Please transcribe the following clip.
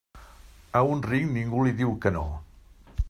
A un ric ningú li diu que no.